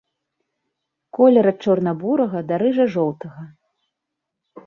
Колер ад чорна-бурага да рыжа-жоўтага.